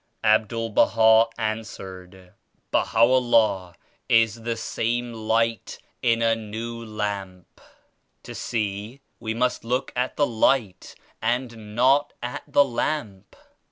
" Abdul Baha answered : "Baha'u'llah is the same Light in a new Lamp. To see, we must look at the Light and not at the Lamp.